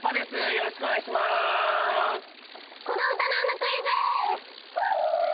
よろしくお願いしますフ！